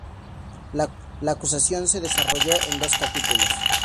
La acusación se desarrolló en dos capítulos.